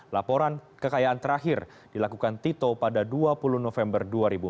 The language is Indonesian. laporan kekayaan terakhir dilakukan tito pada dua puluh november dua ribu empat belas